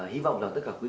hy vọng là tất cả quý vị